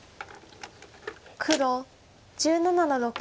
黒１７の六。